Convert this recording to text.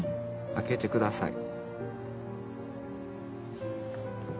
開けてください。